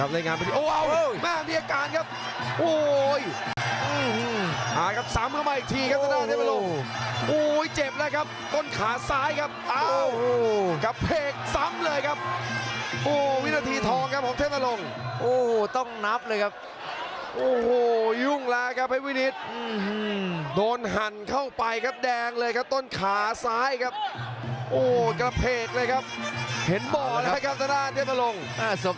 เล่นงานโอ้แม่เมียการครับ